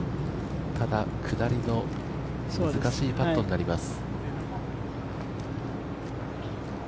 ただ、下りの難しいパットになります。